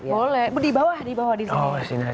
boleh ibu di bawah di sini